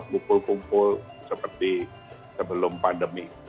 kukul kumpul seperti sebelum pandemi